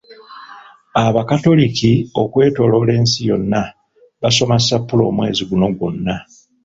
Abakatoliki okwetooloola nsi yonna basoma ssappule omwezi guno gwonna.